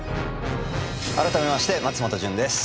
改めまして松本潤です。